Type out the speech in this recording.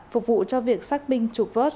phục vụ cho việc xác binh trục vớt